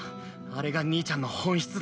あれが兄ちゃんの本質だよ。